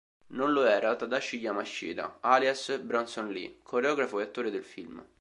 Non lo era Tadashi Yamashita alias "Bronson Lee" coreografo e attore del film.